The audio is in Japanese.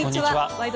「ワイド！